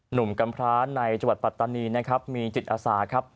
หนุ่มกันพระในปัตตานีมีจิตอาสาครับ